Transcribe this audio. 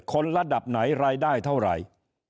คนระดับไหนรายได้เท่าไหร่